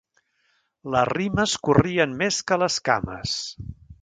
Les rimes corrien més que les cames.